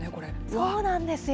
そうなんですよ。